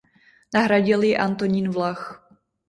Nahradil ji Antonín Vlach.